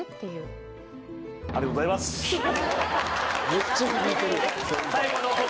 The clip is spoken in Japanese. めっちゃ響いてる。